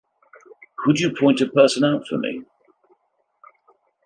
Could you point a person out for me?